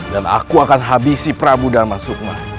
dan aku akan habisi prabu dharma sukma